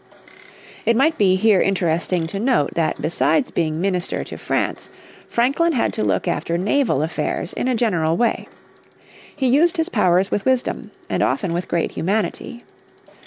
It might be here interesting to note that besides being minister to France, Franklin had to look after naval affairs in a general way. He used his powers with wisdom, and often with great humanity.